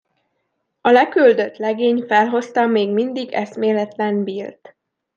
A leküldött legény felhozta a még mindig eszméletlen Billt.